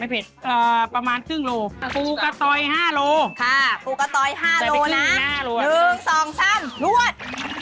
ไม่เผ็ดประมาณครึ่งโลครูกะตอย๕โลครูกะตอย๕โลน้ำ๑๒๓รวด